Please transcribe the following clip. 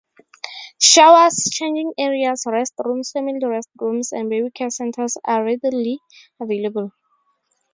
Showers, changing areas, restrooms, family restrooms, and baby care centers are readily available.